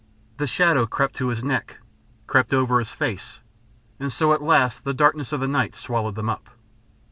The shadow crept to his neck, crept over his face, and so at last the darkness of the night swallowed them up.